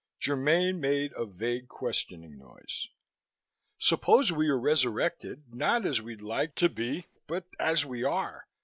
Germaine made a vague questioning noise. "Suppose we are resurrected not as we'd like to be but as we are.